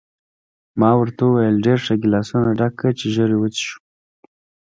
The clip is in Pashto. ما ورته وویل: ډېر ښه، ګیلاسونه ډک کړه چې ژر وڅښو.